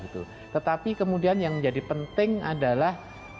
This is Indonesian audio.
tetapi kemudian yang menjadi penting adalah